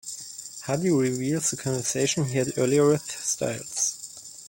Hardy reveals the conversation he had earlier with Styles.